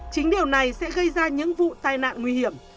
chính điều này sẽ gây ra những vụ tai nạn nguy hiểm